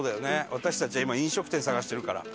私たちは今飲食店探してるから。